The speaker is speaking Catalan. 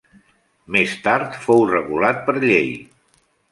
Més tard fou regulat per llei.